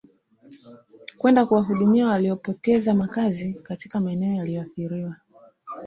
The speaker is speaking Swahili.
kwenda kuwahudumia waliopoteza makazi katika maeneo yaliyoathiriwa